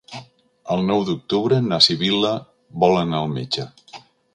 El nou d'octubre na Sibil·la vol anar al metge.